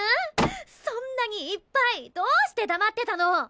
そんなにいっぱいどうして黙ってたの！？